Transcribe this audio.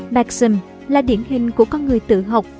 maxim là điển hình của con người tự học